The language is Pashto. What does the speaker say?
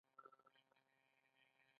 نه شي پوهېدای چې په څه رنګه نړۍ کې اوسېږي.